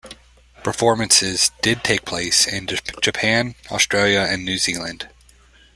Performances did take place in Japan, Australia and New Zealand.